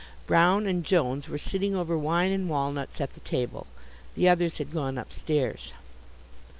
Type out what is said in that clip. Brown and Jones were sitting over wine and walnuts at the table. The others had gone upstairs.